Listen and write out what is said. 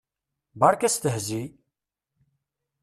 Berka astehzi!